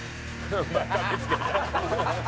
「また見付けた」